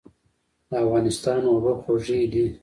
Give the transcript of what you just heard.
د افغانستان اوبه خوږې دي.